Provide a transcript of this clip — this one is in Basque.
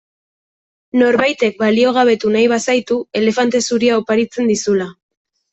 Norbaitek baliogabetu nahi bazaitu elefante zuria oparitzen dizula.